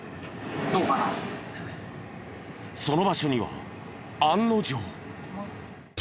その場所には案の定。